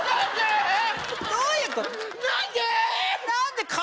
何で？